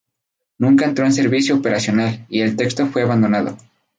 Nunca entró en servicio operacional y el proyecto fue abandonado.